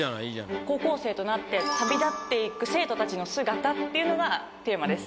高校生となって旅立っていく生徒たちの姿っていうのがテーマです。